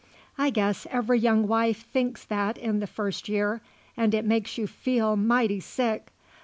I guess every young wife thinks that in the first year, and it makes you feel mighty sick.